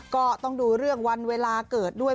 ก็ต้องดูเรื่องวันเวลาเกิดด้วย